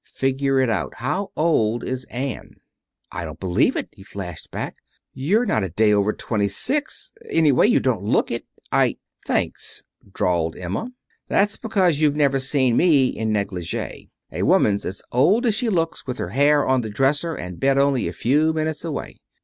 Figure it out. How old is Ann?" "I don't believe it," he flashed back. "You're not a day over twenty six anyway, you don't look it. I " "Thanks," drawled Emma. "That's because you've never seen me in negligee. A woman's as old as she looks with her hair on the dresser and bed only a few minutes away.